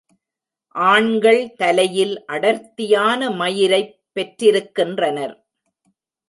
ஆண்கள் தலையில் அடர்த்தியான மயிரைப் பெற்றிருக்கின்றனர்.